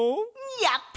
やった！